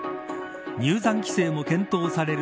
入山規制も検討される